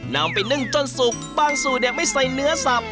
นำไปนึ่งจนสุกบางสูตรไม่ใส่เนื้อสับ